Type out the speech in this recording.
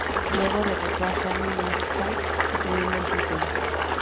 Luego derrotó a Shane Strickland reteniendo el título.